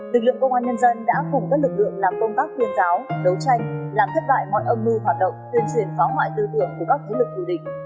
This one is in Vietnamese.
tự lượng công an nhân dân đã cùng các lực lượng làm công tác tuyên giáo đấu tranh làm thất bại mọi âm mưu hoạt động tuyên truyền phá hoại tư tưởng của các quốc lực tù định